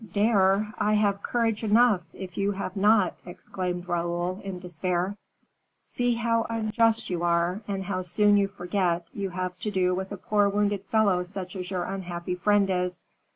"Dare! I have courage enough, if you have not," exclaimed Raoul, in despair. "See how unjust you are, and how soon you forget you have to do with a poor wounded fellow such as your unhappy friend is.